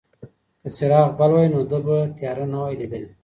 که څراغ بل وای نو ده به تیاره نه وای لیدلې.